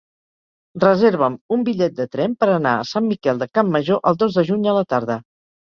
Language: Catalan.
Reserva'm un bitllet de tren per anar a Sant Miquel de Campmajor el dos de juny a la tarda.